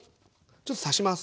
ちょっと刺します。